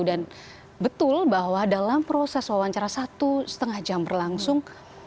dan betul bahwa dalam proses wawancara satu setengah jam berlangsung